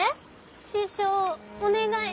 師匠お願い。